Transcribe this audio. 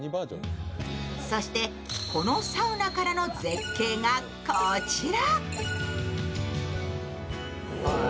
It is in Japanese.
そしてこのサウナからの絶景がこちら。